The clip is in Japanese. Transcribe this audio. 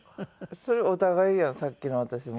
それお互いやんさっきの私も。